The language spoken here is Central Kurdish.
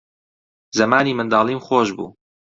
زەمانی منداڵیم خۆش بوو